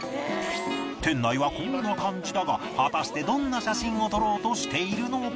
店内はこんな感じだが果たしてどんな写真を撮ろうとしているのか？